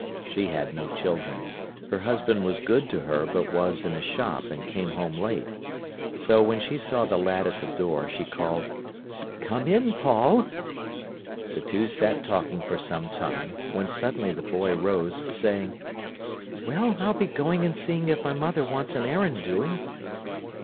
She had no children. Her husband was good to her but was in a shop, and came home late. So, when she saw the lad at the door, she called: "Come in, Paul." The two sat talking for some time, when suddenly the boy rose, saying: "Well, I'll be going and seeing if my mother wants an errand doing."